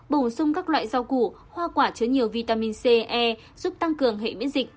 bổ sung các loại rau củ hoa quả chứa nhiều vitamin c e giúp tăng cường hệ miễn dịch